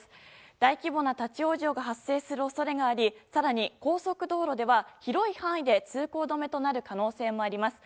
大規模な立ち往生が発生する恐れがあり更に高速道路では広い範囲で通行止めとなる可能性もあります。